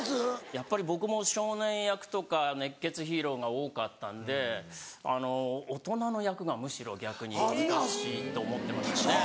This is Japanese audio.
やっぱり僕も少年役とか熱血ヒーローが多かったんで大人の役がむしろ逆に難しいと思ってましたね。